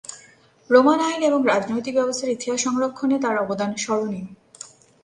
Roman আইন এবং রাজনৈতিক ব্যবস্থার ইতিহাস সংরক্ষণে তার অবদান স্মরণীয়।